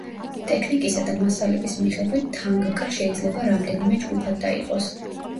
ტექნიკისა და მასალების მიხედვით თანგკა შეიძლება რამდენიმე ჯგუფად დაიყოს.